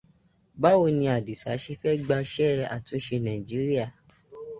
Báwo ni Àdìsá ṣe fẹ́ gbà ṣe àtúnṣe Nàíjíríà?